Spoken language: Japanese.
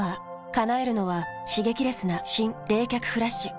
叶えるのは刺激レスな新・冷却フラッシュ。